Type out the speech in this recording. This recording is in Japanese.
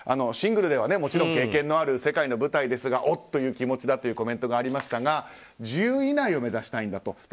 シングルではもちろん経験のある世界の舞台ですがおっという気持ちだというコメントがありましたが１０位以内を目指したいんだと。